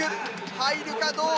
入るかどうか？